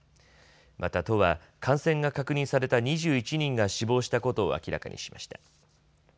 また都は感染が確認された２１人が死亡したことを明らかにしました。